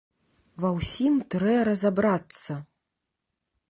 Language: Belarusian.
Ва ўсім трэ разабрацца.